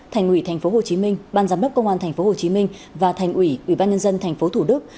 thành ủy tp hồ chí minh ban giám đốc công an tp hồ chí minh và thành ủy ủy ban nhân dân tp thủ đức